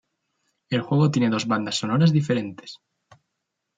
El juego tiene dos bandas sonoras diferentes.